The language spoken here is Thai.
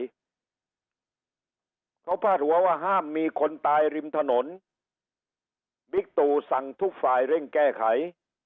เขาพาดหัวว่าห้ามมีคนตายริมถนนบิ๊กตู่สั่งทุกฝ่ายเร่งแก้ไข